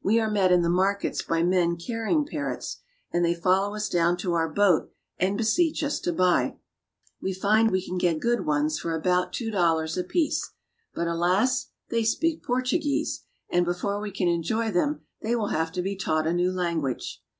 We are met in the markets by men carrying parrots, and they follow us down to our boat and beseech us to buy. We find we can get good ones for Parrot Peddler. VALLEY OF THE AMAZON. 299 about two dollars apiece, but alas ! they speak Portuguese, and before we can enjoy them they will have to be taught a new language.